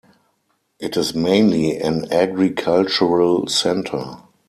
It is mainly an agricultural centre.